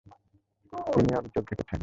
তিনি অবিচল থেকেছেন।